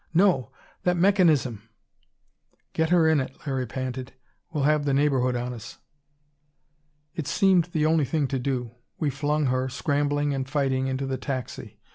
"No! That that mechanism " "Get her in it!" Larry panted. "We'll have the neighborhood on us!" It seemed the only thing to do. We flung her, scrambling and fighting, into the taxi.